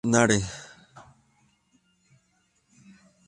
Comandante de la fragata blindada "Cochrane".